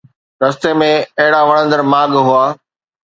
رستي ۾ اهڙا وڻندڙ ماڳ هئا